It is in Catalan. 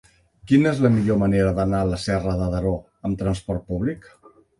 Quina és la millor manera d'anar a Serra de Daró amb trasport públic?